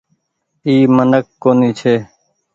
اي منک ڪونيٚ ڇي۔